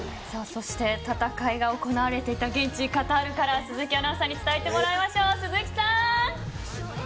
そして戦いが行われていた現地カタールから鈴木アナウンサーに伝えてもらいましょう。